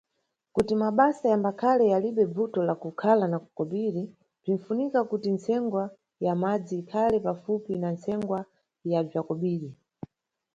Kuti mabasa yambakhale yalibe bvuto la kukhala na kobiri, bzinʼfunika kuti ntsengwa ya madzi ikhale pafupi na ntsengwa ya bza kobiri.